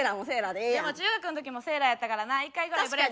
でも中学ん時もセーラーやったからな一回ぐらいブレザー。